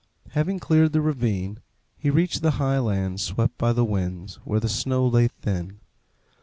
Having cleared the ravine, he reached the high lands swept by the winds, where the snow lay thin.